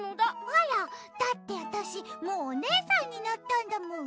あら？だってわたしもうおねえさんになったんだもん。